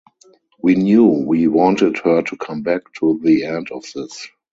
We knew we wanted her to come back to the end of this.